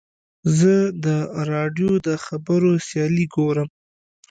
زه د راډیو د خبرو سیالۍ ګورم.